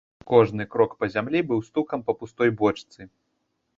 Кожны крок па зямлі быў стукам па пустой бочцы.